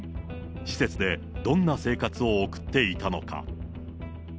施設でどんな生活を送っていたのか。